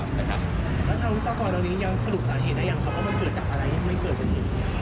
แล้ววิศวกรเหล่านี้ยังสรุปสารเหตุอะยั่งพบว่ามันเกิดจากอะไรไม่เกิดเพื่อน